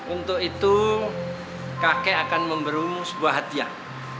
untuk itu kakek akan memberimu sebuah hatiang